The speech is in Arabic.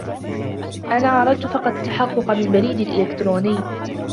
أنا أردت فقط التحقق من بريدي الإلكتروني.